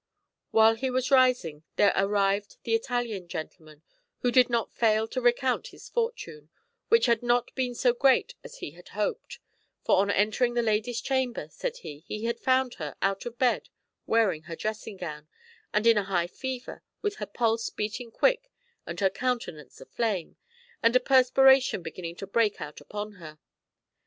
While he was rising, there arrived the Italian gentleman, who did not fail to recount his fortune, which had not been so great as he had hoped ; for on enter ing the lady's chamber, said he, he had found her out of bed, wearing her dressing gown, and in a high fever, with her pulse beating quick and her countenance aflame, and a perspiration begin ning to break out upon her.